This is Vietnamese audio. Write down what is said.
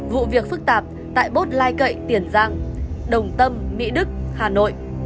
vụ việc phức tạp tại bốt lai cậy tiền giang đồng tâm mỹ đức hà nội